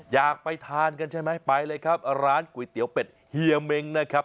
อยากไปทานกันใช่ไหมไปเลยครับร้านก๋วยเตี๋ยวเป็ดเฮียเม้งนะครับ